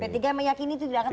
p tiga meyakini itu tidak akan